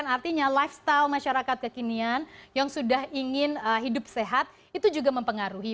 artinya lifestyle masyarakat kekinian yang sudah ingin hidup sehat itu juga mempengaruhi